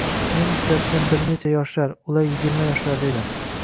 men uchratgan bir necha yoshlar, ular yigirma yoshlarda edi.